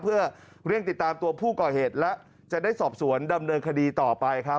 เพื่อเร่งติดตามตัวผู้ก่อเหตุและจะได้สอบสวนดำเนินคดีต่อไปครับ